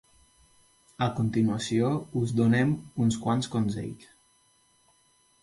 A continuació us donem uns quants consells!